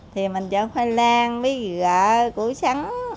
thì mình chở khoai lang bí gỡ củ sắn